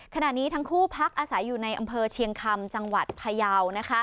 ขณะนี้ทั้งคู่พักอาศัยอยู่ในอำเภอเชียงคำจังหวัดพยาว